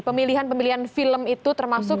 pemilihan pemilihan film itu termasuk